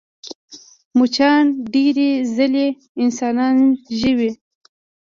مچان ډېرې ځلې انسان ژوي